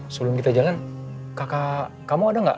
sebelum kita jalan kakak kamu ada nggak